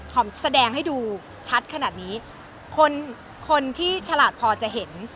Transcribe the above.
แสดงให้ดูชัดขนาดนี้คนคนที่ฉลาดพอจะเห็น